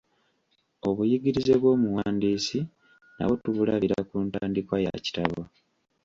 Obuyigirize bw'omuwandiisi nabwo tubulabira ku ntandikwa ya kitabo.